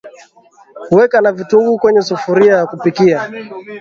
weka na vitunguu kwenye sufuria ya kupikia